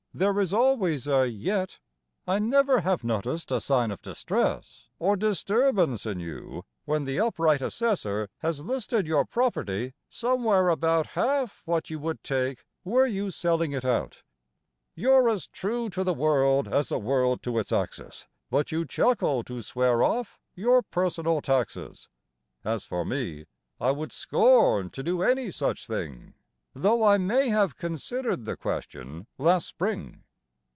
There is always a "yet,") I never have noticed a sign of distress, or Disturbance in you, when the upright assessor Has listed your property somewhere about Half what you would take were you selling it out. You're as true to the world as the world to its axis, But you chuckle to swear off your personal taxes. As for me, I would scorn to do any such thing, (Though I may have considered the question last spring.)